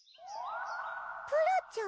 プラちゃん？